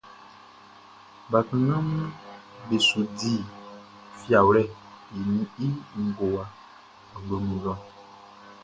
Bakannganʼm be su di fiawlɛʼn i ngowa awloʼn nun lɔ.